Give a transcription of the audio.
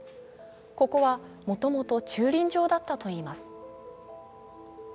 ここはもともと駐輪場だったといいます。